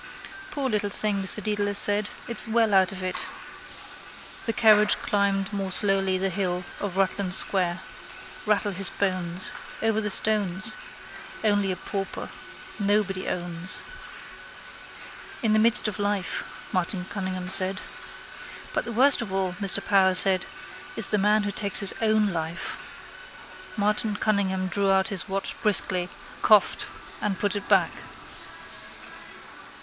—Poor little thing, Mr Dedalus said. It's well out of it. The carriage climbed more slowly the hill of Rutland square. Rattle his bones. Over the stones. Only a pauper. Nobody owns. —In the midst of life, Martin Cunningham said. —But the worst of all, Mr Power said, is the man who takes his own life. Martin Cunningham drew out his watch briskly, coughed and put it back.